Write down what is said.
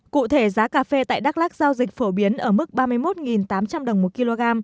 cụ thể giá cà phê tại đắk lắc giao dịch phổ biến ở mức ba mươi một tám trăm linh đồng một kg